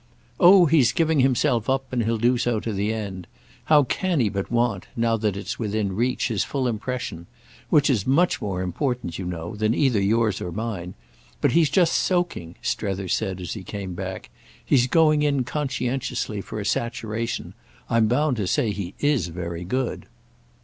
"Oh he's giving himself up, and he'll do so to the end. How can he but want, now that it's within reach, his full impression?—which is much more important, you know, than either yours or mine. But he's just soaking," Strether said as he came back; "he's going in conscientiously for a saturation. I'm bound to say he is very good."